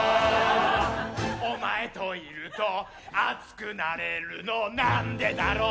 「お前といると熱くなれるのなんでだろう」